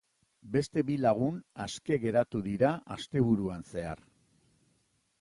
Beste bi lagun aske geratu dira asteburuan zehar.